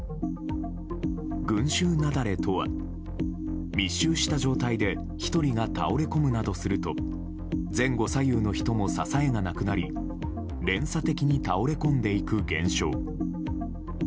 群衆雪崩とは密集した状態で１人が倒れ込むなどすると前後左右の人も支えがなくなり連鎖的に倒れ込んでいく現象。